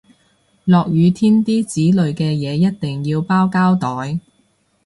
落雨天啲紙類嘅嘢一定要包膠袋